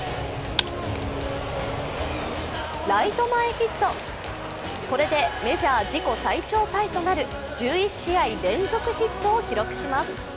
ライト前ヒット、これでメジャー自己最長タイとなる１１試合連続ヒットを記録します。